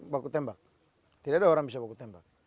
buku tembak tidak ada orang bisa buku tembak